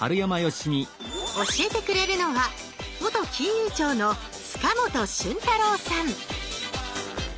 教えてくれるのは元金融庁の塚本俊太郎さん。